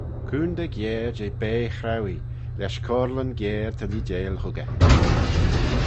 Coontey giare jeh bea chrauee, lesh coyrleyn giare ta leeideil huggey.